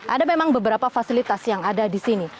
ada memang beberapa fasilitas yang ada di sini